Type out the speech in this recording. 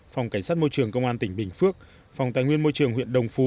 phòng cảnh sát môi trường công an tỉnh bình phước phòng tài nguyên môi trường huyện đồng phú